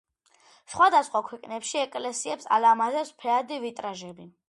სხვადასხვა ქვეყნებში ეკლესიებს ალამაზებს ფერადი ვიტრაჟები.